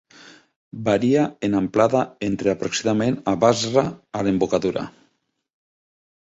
Varia en amplada entre aproximadament a Basra a l'embocadura.